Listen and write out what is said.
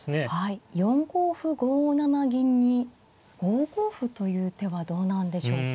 ４五歩５七銀に５五歩という手はどうなんでしょうか。